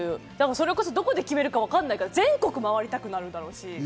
それこそどこで決めるかわかんないから全国を回りたくなるだろうし。